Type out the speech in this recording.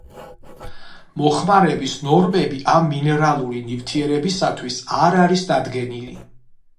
მოხმარების ნორმები ამ მინერალური ნივთიერებისათვის არ არის დადგენილი.